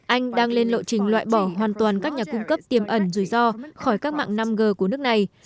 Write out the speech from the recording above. anh đang lên lộ trình loại bỏ hoàn toàn các nhà cung cấp tiềm ẩn rủi ro khỏi các mạng năm g của nước này